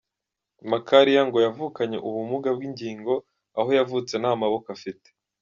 Macharia ngo yavukanye ubumuga bw’ingingo aho yavutse nta maboko afite.